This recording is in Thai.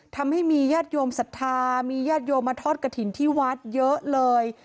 ทำให้มีญาติโยมศรัทธามีญาติโยมมาทอดกระถิ่นที่วัดเยอะเลย